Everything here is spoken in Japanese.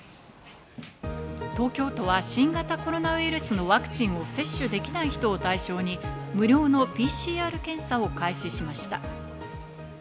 東京都は新型コロナウイルスのワクチンを接種できない人を対象に無料のＰＣＲ検査を開始しました。